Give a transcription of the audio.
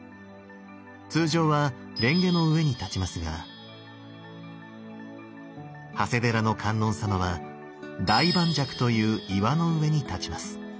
通常は蓮華の上に立ちますが長谷寺の観音様は大磐石という岩の上に立ちます。